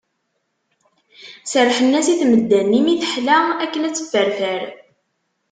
Serrḥen-as i tmedda-nni mi teḥla, akken ad tefferfer.